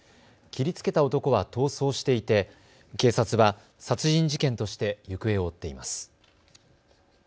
切りつけた男は逃走していて警察は殺人事件として行方を追っています。